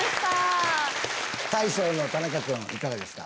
大将の田中くんいかがですか？